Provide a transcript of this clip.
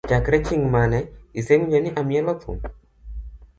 Chakre ching mane isewinjo ni amielo thum?